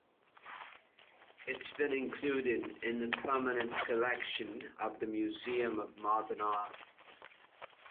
It has been included in the permanent collection of the Museum of Modern Art.